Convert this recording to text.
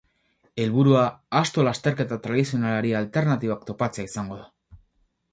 Helburua, asto lasterketa tradizionalari alternatibak topatzea izango da.